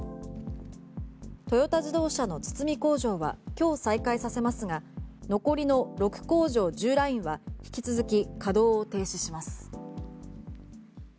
トヨタ自動車の堤工場は今日再開させますが残りの６工場１０ラインは引き続き稼働を停止します。